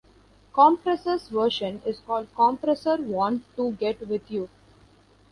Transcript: Kompressor's version is called Kompressor Want To Get With You.